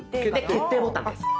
決定ボタンです。